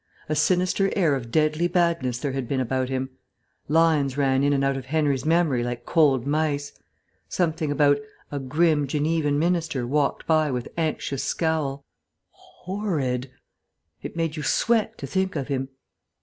A sinister air of deadly badness there had been about him.... Lines ran in and out of Henry's memory like cold mice. Something about "a grim Genevan minister walked by with anxious scowl." ... Horrid.... It made you sweat to think of him.